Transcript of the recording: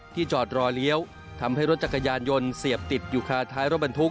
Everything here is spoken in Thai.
จอดรอเลี้ยวทำให้รถจักรยานยนต์เสียบติดอยู่คาท้ายรถบรรทุก